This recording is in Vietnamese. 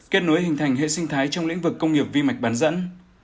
kết nối hình thành hệ sinh thái trong lĩnh vực công nghiệp vi mạch bán dẫn